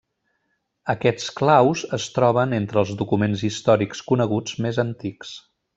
Aquests claus es troben entre els documents històrics coneguts més antics.